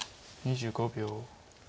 ２５秒。